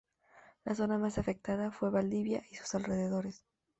La zona más afectada fue Valdivia y sus alrededores.